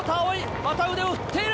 また腕を振っている。